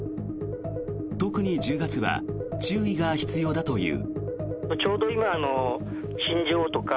特に１０月は注意が必要だという。